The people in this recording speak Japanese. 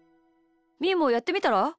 みーもやってみたら？